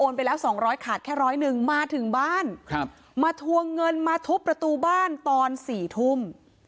ไปแล้วสองร้อยขาดแค่ร้อยหนึ่งมาถึงบ้านครับมาทวงเงินมาทุบประตูบ้านตอน๔ทุ่ม